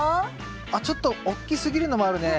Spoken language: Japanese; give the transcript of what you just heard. あっちょっと大きすぎるのもあるね。